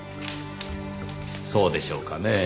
そうでしょうかねぇ。